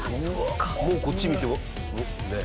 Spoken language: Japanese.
もうこっち見てねえ。